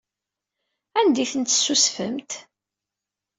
Anda ay ten-tessusfemt?